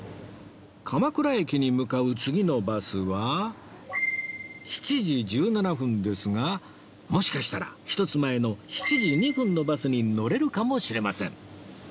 鎌倉駅に向かう次のバスは７時１７分ですがもしかしたら１つ前の７時２分のバスに乗れるかもしれません